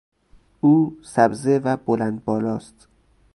او سبزه و بلند بالاست.